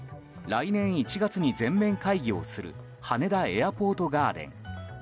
来年１月に全面開業する羽田エアポートガーデン。